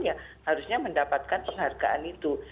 ya harusnya mendapatkan penghargaan itu